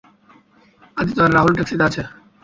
আদিত আর রাহুল ট্যাক্সিতে আছে।